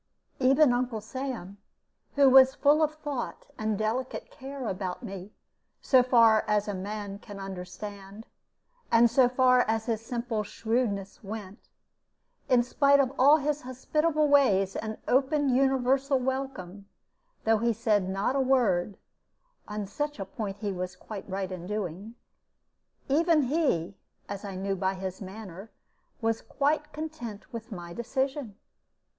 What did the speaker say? Even Uncle Sam, who was full of thought and delicate care about me, so far as a man can understand, and so far as his simple shrewdness went, in spite of all his hospitable ways and open universal welcome, though he said not a word (as on such a point he was quite right in doing) even he, as I knew by his manner, was quite content with my decision.